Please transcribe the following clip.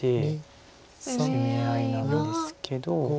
攻め合いなんですけど。